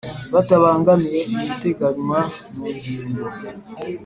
Bitabangamiye ibiteganywa mu ngingo